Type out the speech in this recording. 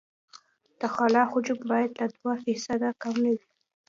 د خلا حجم باید له دوه فیصده کم نه وي